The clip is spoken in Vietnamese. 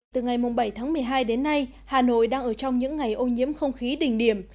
từ ngày bảy tháng một mươi hai đến nay hà nội đang ở trong những ngày ô nhiễm không khí đỉnh điểm